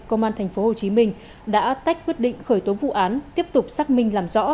công an tp hcm đã tách quyết định khởi tố vụ án tiếp tục xác minh làm rõ